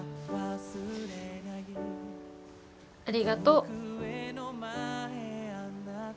ありがとう。